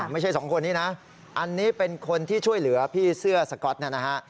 ไม่ใช่สองคนนี้นะอันนี้เป็นคนที่ช่วยเหลือพี่เสื้อสก๊อตเนี่ยนะฮะ